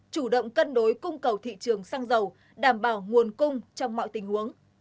chủ động cân đối cung cầu thị trường xăng dầu đảm bảo nguồn cung trong mọi tình huống